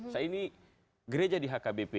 saya ini gereja di hkbp